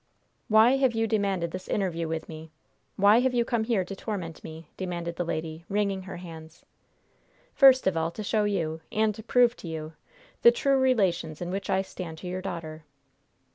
"Why have you demanded this interview with me? Why have you come here to torment me?" demanded the lady, wringing her hands. "First of all, to show you, and to prove to you, the true relations in which I stand to your daughter."